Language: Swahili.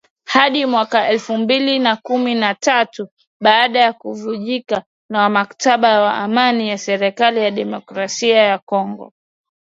hadi mwaka elfu mbili na kumi na tatu baada ya kuvunjika kwa mkataba wa amani na serikali ya Demokrasia ya Kongo